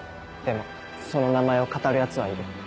でもその名前をかたるヤツはいる。